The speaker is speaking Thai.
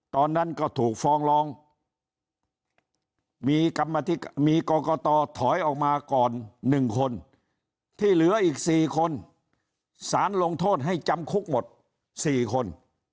ตอนนั้นก็ถูกฟองลองมีก่อก่อต่อถอยออกมาก่อนหนึ่งคนที่เหลืออีกสี่คนสารลงโทษให้จำคุกหมดสี่คน